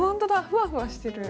ふわふわしてる。